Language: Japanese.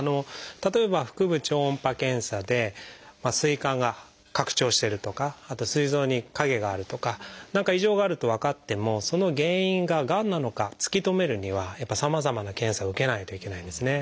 例えば腹部超音波検査で膵管が拡張してるとかあとすい臓に影があるとか何か異常があると分かってもその原因ががんなのか突き止めるにはやっぱりさまざまな検査を受けないといけないんですね。